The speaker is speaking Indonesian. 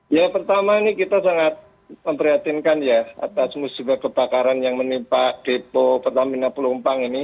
ya pertama ini kita sangat memprihatinkan ya atas musibah kebakaran yang menimpa depo pertamina pelumpang ini